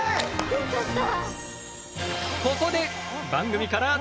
よかった。